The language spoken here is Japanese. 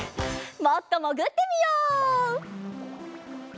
もっともぐってみよう！